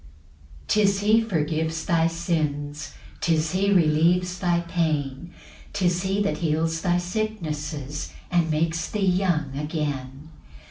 3 'Tis he forgives thy sins, 'Tis he relieves thy pain, 'Tis he that heals thy sicknesses, And makes thee young again.